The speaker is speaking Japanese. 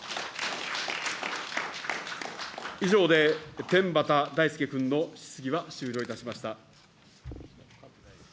以上で、天畠大輔君の質疑は終了いたしました。